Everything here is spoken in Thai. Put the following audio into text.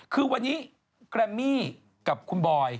คือวันนี้แกรมมี่กับคุณบอย